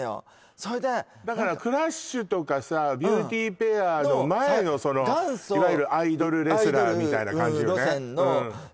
それでだからクラッシュとかさビューティ・ペアの前のそのいわゆるアイドルレスラーみたいな感じよね